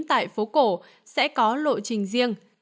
tại phố cổ sẽ có lộ trình riêng